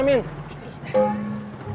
ada apa ya pak sofyan